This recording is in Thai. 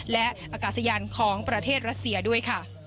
และอากาศยานของประเทศรัสเซียด้วยค่ะ